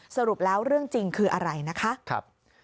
สรุปแล้วเรื่องจริงคืออะไรนะคะ